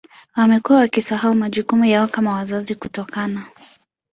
Wamekuwa wakisahau majukumu yao kama wazazi kutokana